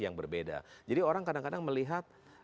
yang berbeda jadi orang kadang kadang melihat